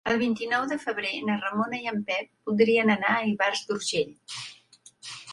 El vint-i-nou de febrer na Ramona i en Pep voldria anar a Ivars d'Urgell.